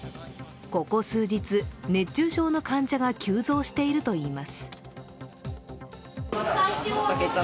ここ数日、熱中症の患者が急増しているといいます。